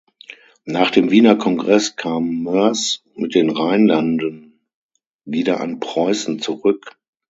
Nach dem Wiener Kongress kam Moers mit den Rheinlanden wieder an Preußen zurück.